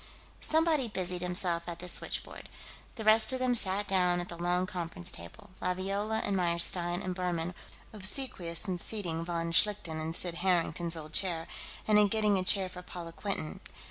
Somebody busied himself at the switchboard. The rest of them sat down at the long conference table. Laviola and Meyerstein and Buhrmann were especially obsequious in seating von Schlichten in Sid Harrington's old chair, and in getting a chair for Paula Quinton.